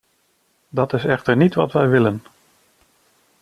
Dat is echter niet wat wij willen.